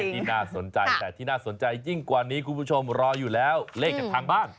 ที่น่าสนใจแต่ที่น่าสนใจยิ่งกว่านี้คุณผู้ชมรออยู่แล้วเลขจากทางบ้าน